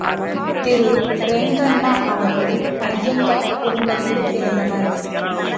திரு ரெங்கண்ணா அவர்கள் அய்யங்கார் குடும்பத்தில் பிறந்தவர்.